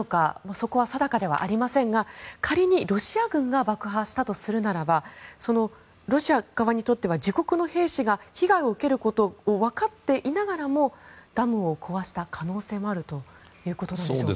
そこは定かではありませんが仮にロシア軍が爆破したとするならばロシア側にとっては自国の兵士が被害を受けることを分かっていながらもダムを壊した可能性もあるということなんでしょうか。